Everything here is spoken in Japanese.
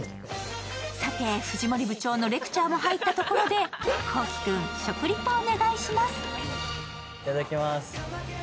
さて藤森部長のレクチャーが入ったところで幸輝君、食リポお願いします。